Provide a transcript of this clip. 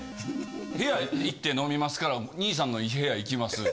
「部屋行って飲みますから兄さんの部屋行きます」って。